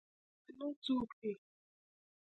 پښتانه څوک دئ؟